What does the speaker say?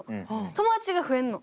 友達が増えるの。